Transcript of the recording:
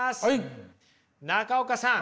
中岡さん。